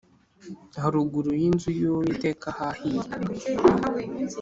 haruguru y inzu y Uwiteka hahiye